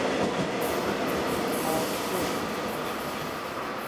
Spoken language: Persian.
قارچ کش